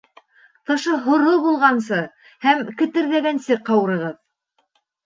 Тышы һоро булғанса һәм кетерҙәгәнсе ҡурығыҙ